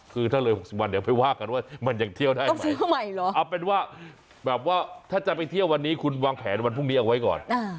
คือถ้าเลย๖๐วันเดี๋ยวไปว่ากันว่ามันยังเที่ยวได้ไหมเอาเป็นว่าแบบว่าถ้าจะไปเที่ยววันนี้คุณวางแผนวันพรุ่งนี้เอาไว้ก่อน